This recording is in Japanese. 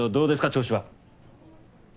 調子は。